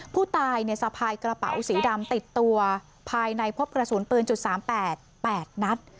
ผู้ตายสะพายกระเป๋าสีดำติดตัวภายในพบกระสุนปืน๓๘๘นัด